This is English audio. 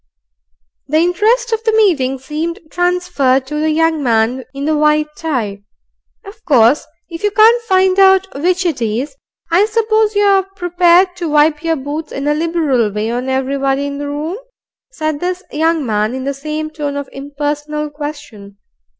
The interest of the meeting seemed transferred to the young man in the white tic. "Of course, if you can't find out which it is, I suppose you're prepared to wipe your boots in a liberal way on everybody in the room," said this young man, in the same tone of impersonal question.